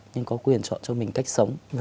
nhưng có quyền chọn cho mình cách sống